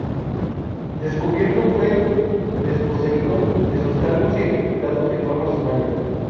Descubierto, fue desposeído de sus cargos y ejecutado en forma sumaria.